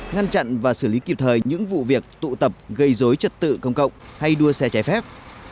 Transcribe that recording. ngăn chặn và xử lý kịp thời những vụ việc tụ tập gây dối trật tự công cộng hay đua xe trái phép